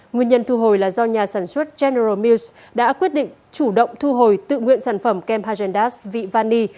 nguyên nhân thu hồi là do nhà sản xuất general musk đã quyết định chủ động thu hồi tự nguyện sản phẩm kem hajdas vị vani